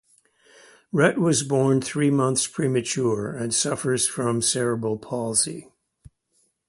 Rhett was born three months premature and suffers from cerebral palsy.